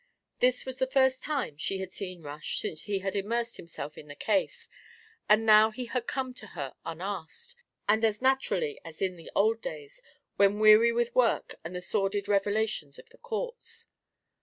This was the first time she had seen Rush since he had immersed himself in the case, and now he had come to her unasked, and as naturally as in the old days when weary with work and the sordid revelations of the courts.